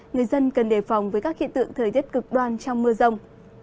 người dân cần đề phòng với các hiện tượng thời tiết cực đoan trong mưa rông